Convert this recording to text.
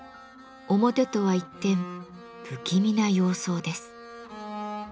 表とは一転不気味な様相です。